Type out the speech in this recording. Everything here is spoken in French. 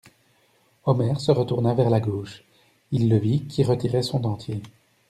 Omer se retourna vers la gauche: il le vit qui retirait son dentier.